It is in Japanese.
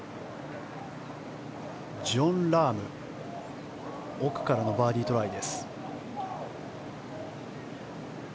ジョン・ラーム、奥からのバーディートライ。